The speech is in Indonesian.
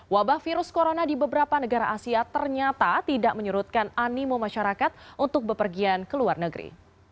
wabah virus corona di beberapa negara asia ternyata tidak menyurutkan animo masyarakat untuk bepergian ke luar negeri